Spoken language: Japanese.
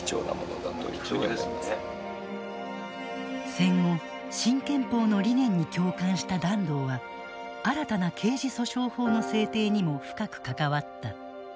戦後新憲法の理念に共感した團藤は新たな刑事訴訟法の制定にも深く関わった。